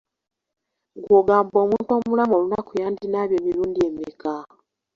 Gwe ogamba omuntu omulamu olunaku yandinaabye emirundi emeka?